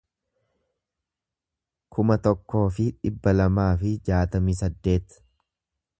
kuma tokkoo fi dhibba lamaa fi jaatamii saddeet